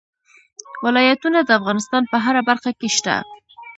ولایتونه د افغانستان په هره برخه کې شته.